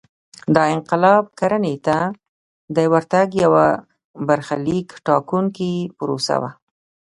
دا انقلاب کرنې ته د ورتګ یوه برخلیک ټاکونکې پروسه وه